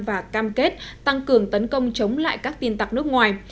và cam kết tăng cường tấn công chống lại các tiên tạc nước ngoài